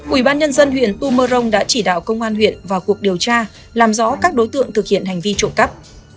ubnd huyện tu mơ rông đã chỉ đạo công an huyện vào cuộc điều tra làm rõ các đối tượng thực hiện hành vi trộm cắp